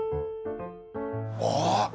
あっ！